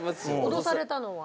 脅されたのは。